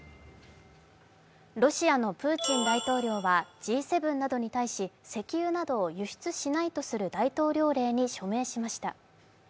ロシアのプーチン大統領はＧ７などに対し石油などを輸出しないとする大統領令に署名しました。